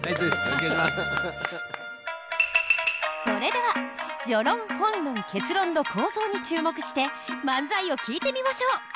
それでは序論・本論・結論の構造に注目して漫才を聞いてみましょう。